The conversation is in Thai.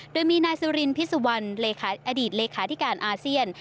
โดยมีนายสุรินพิสุวรรณเลขาอดีตเลขาธิการอาเซียน